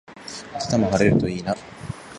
明日も晴れるといいな